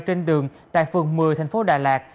trên đường tại phường một mươi thành phố đà lạt